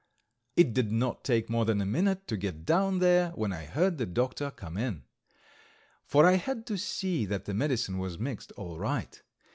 It did not take more than a minute to get down there when I heard the doctor come in, for I had to see that the medicine was mixed all right.